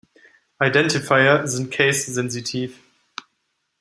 Identifier sind case-sensitiv!